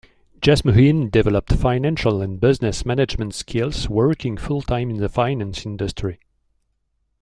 Jasmuheen developed financial and business management skills working full-time in the finance industry.